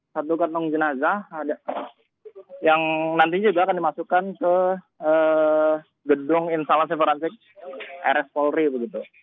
satu kantong jenazah yang nantinya juga akan dimasukkan ke gedung instalasi forensik rs polri begitu